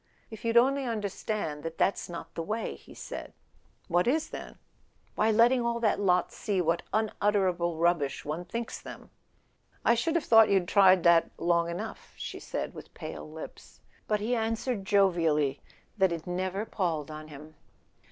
"If you'd only understand that that's not the way," he said. "What is, then?" "Why, letting all that lot see what unutterable rub¬ bish one thinks them !"[ 45 ] A SON AT THE FRONT "I should have thought you'd tried that long enough," she said with pale lips; but he answered jovially that it never palled on him.